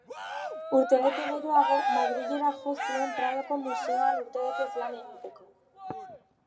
Urtebete geroago, Madrilera jo zuen Pradoko Museoan urtebetez lan egiteko.